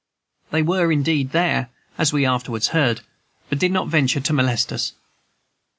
They were, indeed, there, as we afterwards heard, but did not venture to molest us.